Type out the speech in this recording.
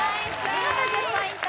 見事１０ポイント